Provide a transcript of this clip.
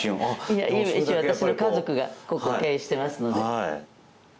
私の家族がここを経営してますので。